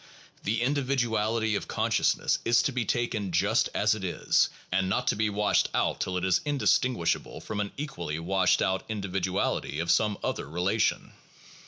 The individuality of consciousness is to be taken just as it is, and not to be washed out till it is indistinguishable from an equally washed out individuality of some other relation.